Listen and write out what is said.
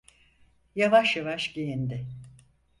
Yavaş yavaş giyindi.